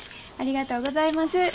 ありがとうございます。